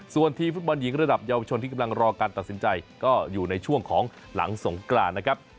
ส่วนทีมฟุตบอลหญิงระดับเยาวชนที่กำลังรอการตัดสินใจก็อยู่ในช่วงของหลังสงกรานนะครับ